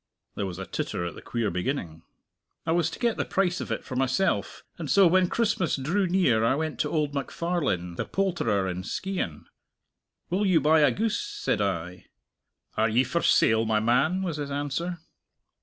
There was a titter at the queer beginning. "I was to get the price of it for myself, and so when Christmas drew near I went to old MacFarlane, the poulterer in Skeighan. 'Will you buy a goose?' said I. 'Are ye for sale, my man?' was his answer."